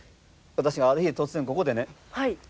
私がある日突然ここでね。